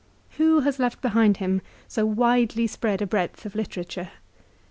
Who has left behind him so widely spread a breadth of literature